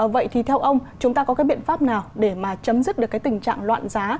vậy thì theo ông chúng ta có cái biện pháp nào để mà chấm dứt được cái tình trạng loạn giá